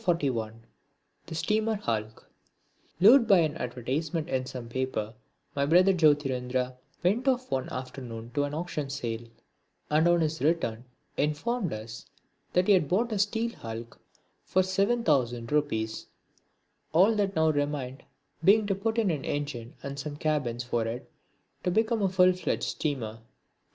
PART VIII (41) The Steamer Hulk Lured by an advertisement in some paper my brother Jyotirindra went off one afternoon to an auction sale, and on his return informed us that he had bought a steel hulk for seven thousand rupees; all that now remained being to put in an engine and some cabins for it to become a full fledged steamer.